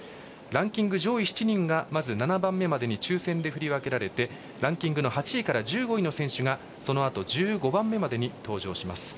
ランキング上位７人がまず７番目までに抽選で振り分けられランキングの８位から１５位の選手がそのあと、１５番目までに登場。